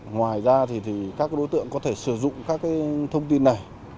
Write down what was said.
ngoài ra thì các đối tượng có thể sử dụng các thông tin này